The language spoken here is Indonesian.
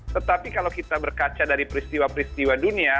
tetapi kalau kita berkaca dari peristiwa peristiwa dunia